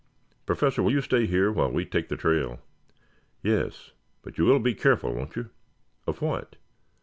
Professor, will you stay here while we take the trail?" "Yes. But you will be careful, won't you?" "Of what?"